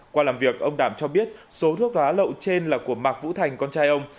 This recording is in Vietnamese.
qua làm việc ông đảm cho biết số thuốc lá lậu trên là của mạc vũ thành con trai ông